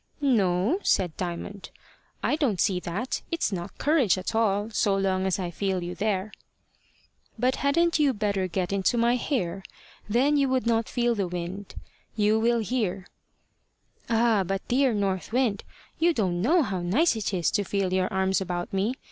"No," said Diamond, "I don't see that. It's not courage at all, so long as I feel you there." "But hadn't you better get into my hair? Then you would not feel the wind; you will here." "Ah, but, dear North Wind, you don't know how nice it is to feel your arms about me.